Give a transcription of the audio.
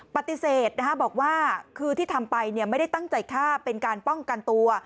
ปฏิเสธบอกว่าคือที่ทำไปไม่ได้ตั้งใจฆ่าเป็นการป้องกันตัว